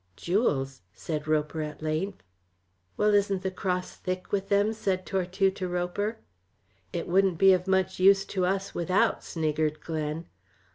"Jewels!" said Roper at length. "Well, isn't the cross thick with them?" said Tortue to Roper. "It wouldn't be of much use to us without," sniggered Glen.